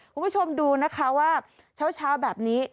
คุณผู้ชมดูนะคะว่าเช้าแบบนี้